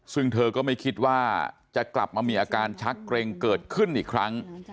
ซึ่งเธอก็ไม่คิดว่าจะกลับมามีอาการชักเกร็งเกิดขึ้นอีกครั้ง